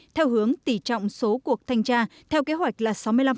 theo hướng tỉ trọng số cuộc thanh tra theo kế hoạch là sáu mươi năm